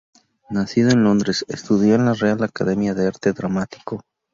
Nacido en Londres, estudió en la "Real Academia de Arte Dramático".